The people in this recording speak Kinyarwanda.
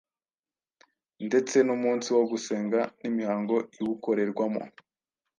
Ndetse n’umunsi wo gusenga n’imihango iwukorerwamo